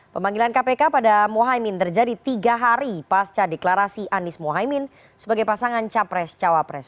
pemanggilan kpk pada mohaimin terjadi tiga hari pasca deklarasi anies mohaimin sebagai pasangan capres cawapres